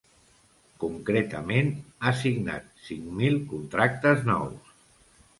Concretament, ha signat cinc mil contractes nous.